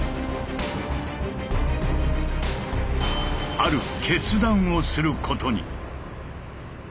ある決断をすることに。